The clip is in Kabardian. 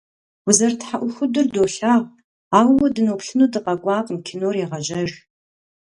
Узэрытхьэӏухудыр долъагъу, ауэ уэ дыноплъыну дыкъэкӏуакъым, кинор егъэжьэж.